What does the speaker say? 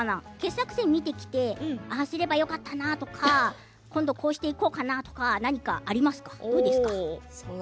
傑作選を見ていてああすればよかったなとか今度、こうしていこうかなとか何かありますか？